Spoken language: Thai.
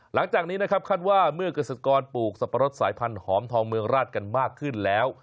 หลังจากนี้นะครับคาดว่าเมื่อเกษตรกรปลูกสับปะรดสายพันธอมทองเมืองราชกันมากขึ้นแล้ว